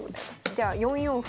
じゃあ４四歩。